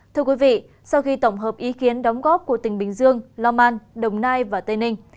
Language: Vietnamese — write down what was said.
thưa quý vị sau khi tổng hợp ý kiến đóng góp của tỉnh bình dương long an đồng nai và tây ninh